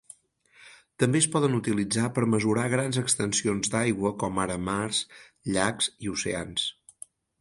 També es poden utilitzar per mesurar grans extensions d'aigua com ara mars, llacs i oceans.